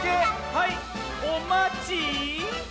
はいおまち。